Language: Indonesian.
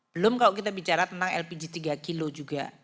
belum kalau kita bicara tentang lpg tiga kg juga